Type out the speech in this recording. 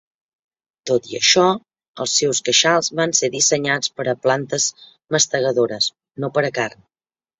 Tot i això, els seus queixals van ser dissenyats per a plantes mastegadores, no per a carn.